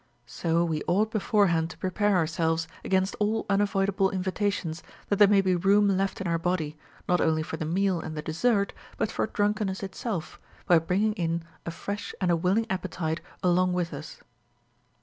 So we ought beforehand to prepare ourselves against all unavoidable invitations, that there may be room left in our body, not only for the meal and the dessert, but for drunkeiuiess itself, by bringing in a fresh and a willing appetite along with us.